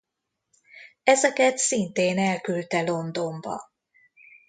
Ezeket szintén elküldte Londonba.